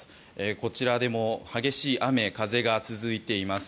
こちらでも激しい雨風が続いています。